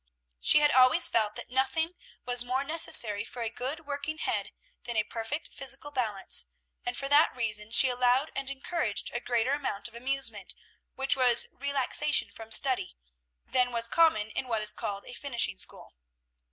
She had always felt that nothing was more necessary for a good working head than a perfect physical balance, and for that reason she allowed and encouraged a greater amount of amusement, which was relaxation from study, than was common in what is called a finishing school.